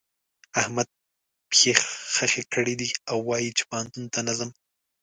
احمد پښې خښې کړې دي او وايي چې پوهنتون ته نه ځم.